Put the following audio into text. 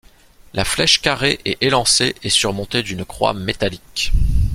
La flèche carrée et élancée est surmontée d'une croix métallique.